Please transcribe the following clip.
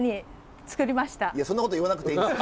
そんなこと言わなくていいんです。